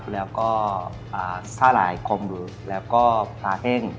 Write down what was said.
แล้วก็สาหร่ายคมบุแล้วก็ปลาแห้ง